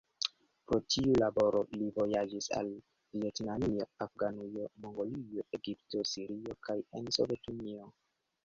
Pro tiu laboro li vojaĝis al Vjetnamio, Afganujo, Mongolio, Egipto, Sirio kaj en Sovetunio.